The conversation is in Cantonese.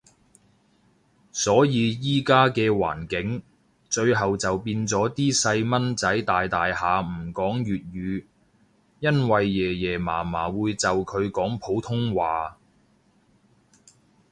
所以依家嘅環境，最後就變咗啲細蚊仔大大下唔講粵語，因為爺爺嫲嫲會就佢講普通話